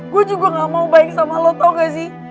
gue juga gak mau baik sama lo tau gak sih